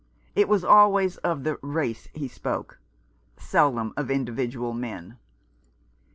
It was always of the " race " he spoke ; seldom of indi vidual men.